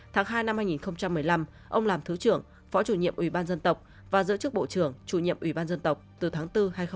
tháng hai hai nghìn một mươi năm ông làm thứ trưởng phó chủ nhiệm ubnd và giữ chức bộ trưởng chủ nhiệm ubnd từ tháng bốn hai nghìn một mươi sáu